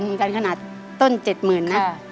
เหมือนกันขนาดต้นเจ็ดหมื่นนะ